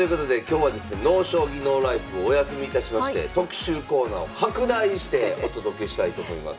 「ＮＯ将棋ＮＯＬＩＦＥ」をお休みいたしまして特集コーナーを拡大してお届けしたいと思います。